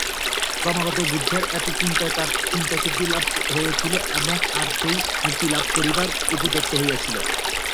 ক্রমাগত বুদ্ধের এত চিন্তায় তার চিত্তশুদ্ধি-লাভ হয়েছিল, আর সে মুক্তিলাভ করবার উপযুক্ত হয়েছিল।